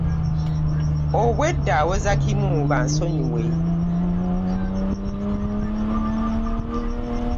Obwedda awoza kimu bamusonyiwe.